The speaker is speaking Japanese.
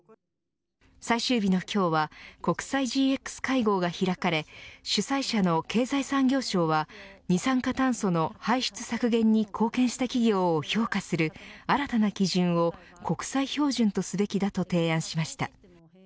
最終日の今日は国際ＧＸ会合が開かれ主催者の経済産業省は二酸化炭素の排出削減に貢献した企業を評価する新たな基準を国際標準とすべきだと提案しました。